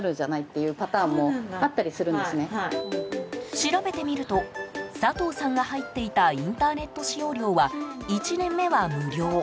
調べてみると佐藤さんが入っていたインターネット使用料は１年目は無料。